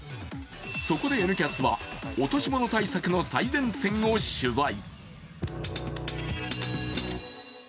そこで「Ｎキャス」は落とし物対策の最前線を取材。